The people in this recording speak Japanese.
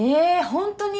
本当に？